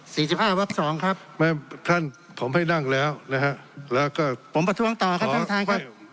สิบห้าวับสองครับไม่ท่านผมให้นั่งแล้วนะฮะแล้วก็ผมประท้วงต่อครับท่านประธานครับ